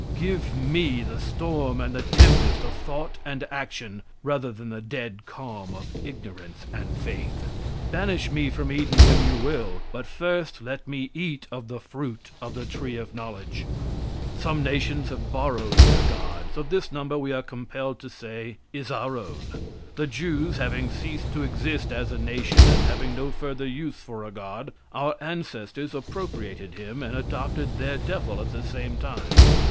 Give me the storm and tempest of thought and action, rather than the dead calm of ignorance and faith. Banish me from Eden when you will; but first let me eat of the fruit of the tree of knowledge! Some nations have borrowed their gods; of this number, we are compelled to say, is our own. The Jews having ceased to exist as a nation, and having no further use for a god, our ancestors appropriated him and adopted their devil at the same time.